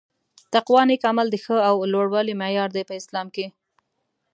تقوا نيک عمل د ښه او لووالي معیار دي په اسلام کي